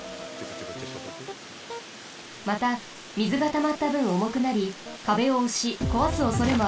またみずがたまったぶんおもくなりかべをおしこわすおそれもあります。